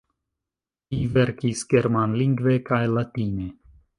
Li verkis germanlingve kaj latine.